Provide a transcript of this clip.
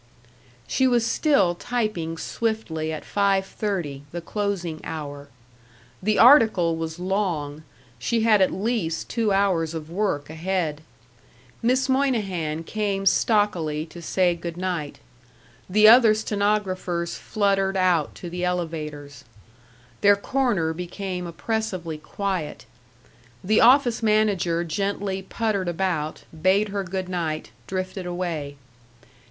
She was still typing swiftly at five thirty, the closing hour. The article was long; she had at least two hours of work ahead. Miss Moynihan came stockily to say good night. The other stenographers fluttered out to the elevators. Their corner became oppressively quiet. The office manager gently puttered about, bade her good night, drifted away.